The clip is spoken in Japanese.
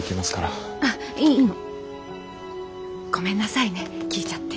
ごめんなさいね聞いちゃって。